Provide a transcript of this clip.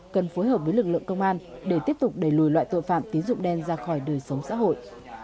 cần phối hợp với lực lượng công an để tiếp tục đẩy lùi loại tội phạm tín dụng đen ra khỏi đời sống xã hội